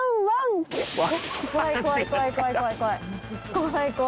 はい。